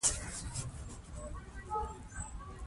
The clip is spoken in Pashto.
په هغه صورت کې چې معلومات شریک شي، اوازې به پیاوړې نه شي.